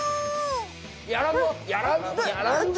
やらんぞ！